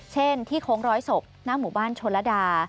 เช่นที่โค้งร้อยศพหน้าหมู่บ้านชนระดา